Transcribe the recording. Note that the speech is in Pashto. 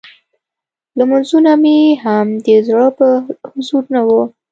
لمونځونه مې هم د زړه په حضور نه وو.